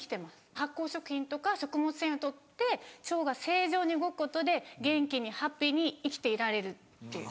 発酵食品とか食物繊維を取って腸が正常に動くことで元気にハッピーに生きていられるっていう。